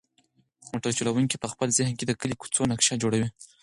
موټر چلونکی په خپل ذهن کې د کلي د کوڅو نقشه جوړوي.